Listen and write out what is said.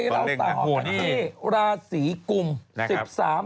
เราต่อกันที่ราศีกุม